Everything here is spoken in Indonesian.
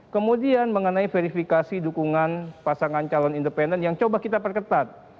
kemudian mengenai verifikasi dukungan pasangan calon independen yang coba kita perketat